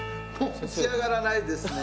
持ち上がらないですね。